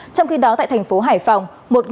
trong khi đó tại thành phố hải phòng